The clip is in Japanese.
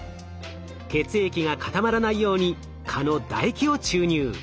血液が固まらないように蚊のだ液を注入。